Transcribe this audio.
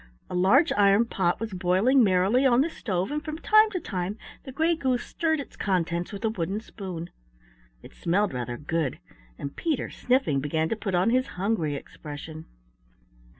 A large iron pot was boiling merrily on the stove and from time to time the Gray Goose stirred its contents with a wooden spoon. It smelled rather good, and Peter, sniffing, began to put on his hungry expression.